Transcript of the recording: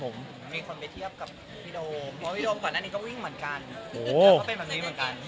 มันก็มีคนไปเทียบกับพี่โดมเพราะว่าพี่โดมก่อนหน้านี้ก็วิ่งเหมือนกัน